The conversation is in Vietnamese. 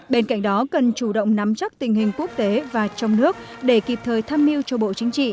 bên cạnh đó cần chủ động nắm chắc tình hình quốc tế và trong nước để kịp thời tham mưu cho bộ chính trị